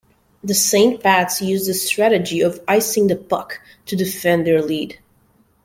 The Saint Pats used a strategy of icing the puck to defend their lead.